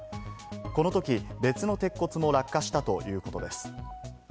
このとき別の鉄骨も落下したということです。